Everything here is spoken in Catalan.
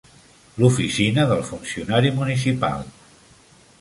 L'oficina del funcionari municipal.